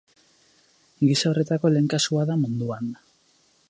Gisa horretako lehen kasua da munduan.